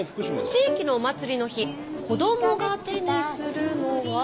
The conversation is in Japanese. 地域のお祭りの日子どもが手にするのは。